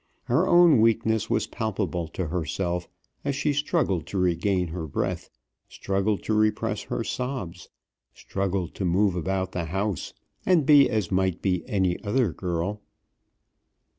Her own weakness was palpable to herself, as she struggled to regain her breath, struggled to repress her sobs, struggled to move about the house, and be as might be any other girl.